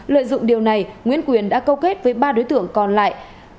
lợi dụng điều này nguyễn quyền đã câu kết với ba đối tượng còn lại